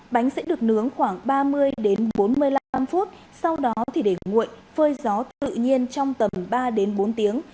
bánh sẽ được nướng khoảng ba mươi đến bốn mươi năm phút sau đó thì để nguội phơi gió tự nhiên trong tầm ba bốn tiếng